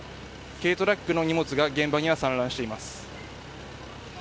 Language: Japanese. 軽トラックの荷物が現場には散乱しています。